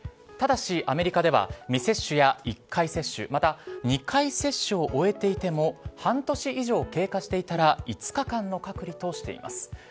ただし、アメリカでは未接種や１回接種また、２回接種を終えていても半年以上経過していたら５日間の隔離としています。